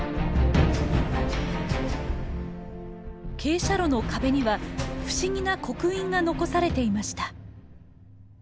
傾斜路の壁には不思議な刻印が残されていました。